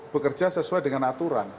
bekerja sesuai dengan aturan